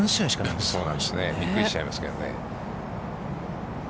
びっくりしちゃいますけどね。